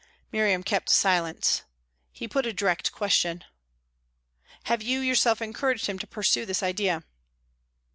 Miriam kept silence. He put a direct question. "Have you yourself encouraged him to pursue this idea?"